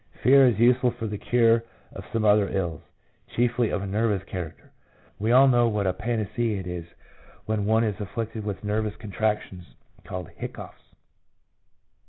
Fear is useful for the cure of some other ills, chiefly of a nervous character ; we all know what a panacea it is when one is afflicted with nervous contractions called hiccoughs.